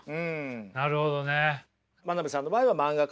なるほどね。